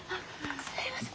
すいません。